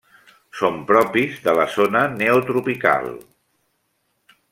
Són propis de la zona Neotropical.